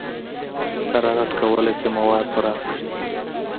حرارت کولی شي مواد پراخ کړي.